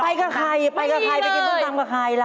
ไปกับใครไปกินส้มตำกับใครเรา